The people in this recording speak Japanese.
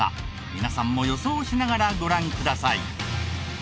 皆さんも予想しながらご覧ください。